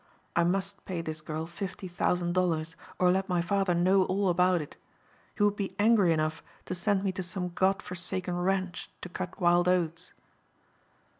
I must pay this girl fifty thousand dollars or let my father know all about it. He would be angry enough to send me to some god forsaken ranch to cut wild oats."